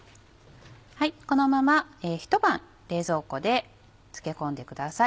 このままひと晩冷蔵庫で漬け込んでください。